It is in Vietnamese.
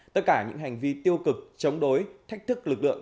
tất cả những hành vi tiêu cực chống đối thách thức lực lượng